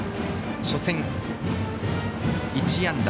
初戦、１安打。